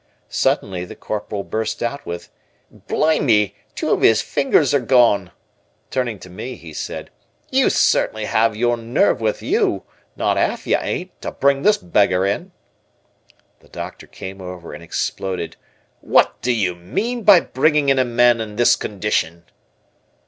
Suddenly the Corporal burst out with, "Blime me, two of his fingers are gone"; turning to me he said, "You certainly have your nerve with you, not 'alf you ain't, to bring this beggar in." The doctor came over and exploded, "What do you mean by bringing in a man in this condition?"